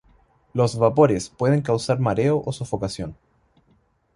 Los vapores pueden causar mareo o sofocación.